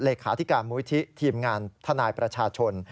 เลขาธิการมูลิธิทีมงานทนายประชาชน